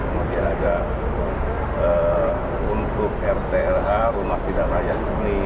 kemudian ada untuk rtlh rumah tidak layak ini